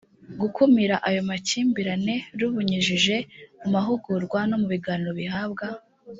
gukumira ayo makimbirane rubinyujije mu mahugurwa no mu biganiro bihabwa